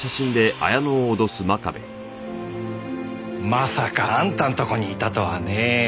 まさかあんたのとこにいたとはねえ。